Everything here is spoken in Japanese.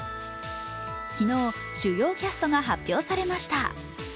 昨日、主要キャストが発表されました。